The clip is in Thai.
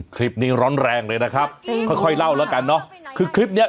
คลิปนี้ร้อนแรงเลยนะครับค่อยค่อยเล่าแล้วกันเนอะคือคลิปเนี้ย